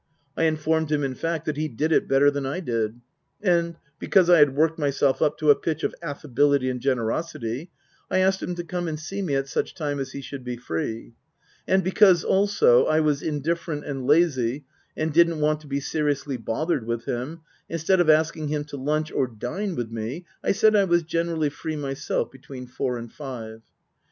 (I informed him, in fact, that he " did it " better than I did) ; and because I had worked myself up to a pitch of affability and generosity, I asked him to come and see me at such time as he should be free. And because, also, I was indifferent and lazy and didn't want to be seriously bothered with him, instead of asking him to lunch or dine with me, I said I was generally free myself between four and five.